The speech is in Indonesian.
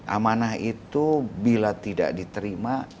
amanah itu bila tidak diterima